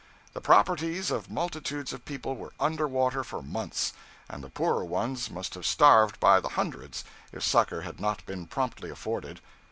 The properties of multitudes of people were under water for months, and the poorer ones must have starved by the hundred if succor had not been promptly afforded.